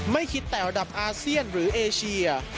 ไม่คิดแต่อันดับอาเซียนหรือเอเชีย